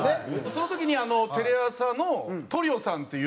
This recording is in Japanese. その時にテレ朝の『トリオさん』っていう。